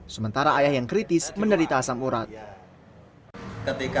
sementara ayah yang kritis menderita asam urat